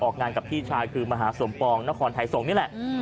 งานกับพี่ชายคือมหาสมปองนครไทยส่งนี่แหละ